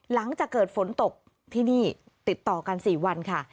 หลังจากเกิดฝนตกที่นี่ติดต่อกัน๔วันค่ะ